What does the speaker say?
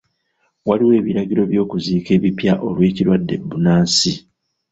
Waliwo ebiragiro by'okuziika ebipya olw'ekirwadde bbunansi.